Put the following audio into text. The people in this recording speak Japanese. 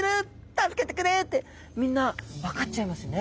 助けてくれ！」ってみんな分かっちゃいますよね。